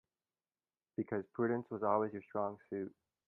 Because prudence was always your strong suit.